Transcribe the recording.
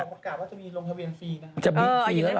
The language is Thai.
มันมีความปกติว่าจะมีลงทะเบียนฟรีนะครับ